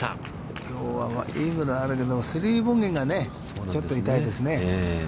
きょうはイーグルがあるけど、３ボギーがちょっと痛いですね。